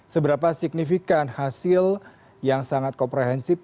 seberapa signifikan hasil yang sangat komprehensif